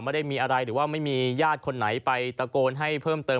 ไม่ได้มีอะไรหรือว่าไม่มีญาติคนไหนไปตะโกนให้เพิ่มเติม